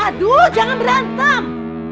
aduh jangan berantem